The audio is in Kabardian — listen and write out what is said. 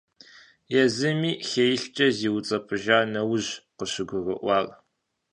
Езыми хеилъкӀэ зиуцӀэпӀыжа нэужьщ къыщыгурыӀуар.